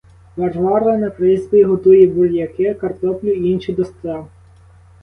Варвара на призьбі готує буряки, картоплю і інше до страв.